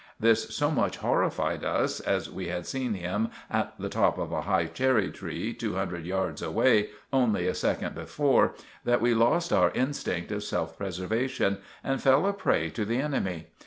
This so much horrified us, as we had seen him at the top of a high cherry tree two hundred yards away only a second before, that we lost our instinct of self preservation and fell a prey to the enemy.